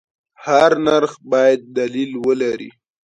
هر نرخ باید دلیل ولري.